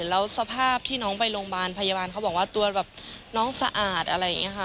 แล้วสภาพที่น้องไปโรงพยาบาลพยาบาลเขาบอกว่าตัวแบบน้องสะอาดอะไรอย่างนี้ค่ะ